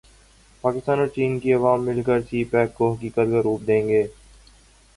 پاکستان اور چین کے عوام مل کر سی پیک کو حقیقت کا روپ دیں گے تہمینہ جنجوعہ